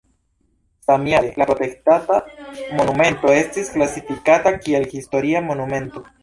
Samjare la protektata monumento estis klasifikata kiel historia monumento.